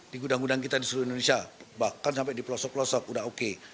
di gudang gudang kita di seluruh indonesia bahkan sampai di pelosok pelosok sudah oke